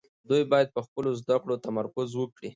دوی باید په خپلو زده کړو تمرکز وکړي.